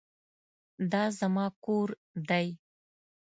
دا زما کور دی